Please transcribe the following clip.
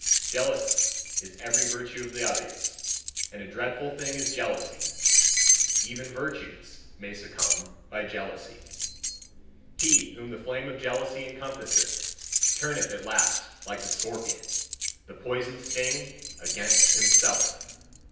Jealous is every virtue of the others, and a dreadful thing is jealousy. Even virtues may succumb by jealousy. He whom the flame of jealousy encompasseth, turneth at last, like the scorpion, the poisoned sting against himself.